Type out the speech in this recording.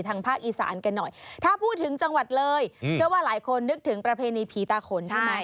ทางภาคอีสานกันหน่อยถ้าพูดถึงจังหวัดเลยเชื่อว่าหลายคนนึกถึงประเพณีผีตาขนใช่ไหม